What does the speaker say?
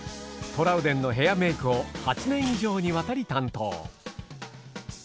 トラウデンのヘアメークを８年以上にわたり担当。